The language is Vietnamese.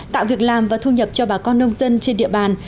tạo việc làm và thu nhập cho bà con nông dân trên địa bàn